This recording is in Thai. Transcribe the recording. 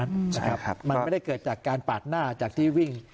ในลักษณะแบบนั้นนะครับมันไม่ได้เกิดจากการปากหน้าจากที่วิ่ง